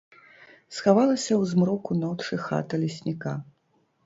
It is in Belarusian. Схавалася ў змроку ночы хата лесніка.